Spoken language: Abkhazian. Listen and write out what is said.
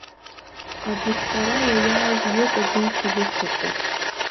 Агәыҭҟьара иаиааиз иоуп агәымшәа зыхьӡырҵаз.